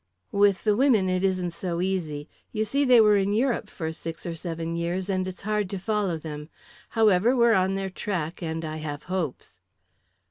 "With the women it isn't so easy. You see, they were in Europe for six or seven years, and it's hard to follow them. However, we're on their track, and I have hopes."